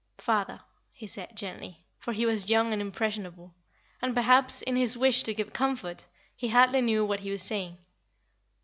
"Father," he said, gently, for he was young and impressionable, and perhaps, in his wish to give comfort, he hardly knew what he was saying.